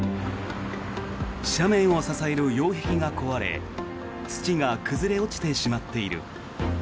斜面を支える擁壁が壊れ土が崩れ落ちてしまっている。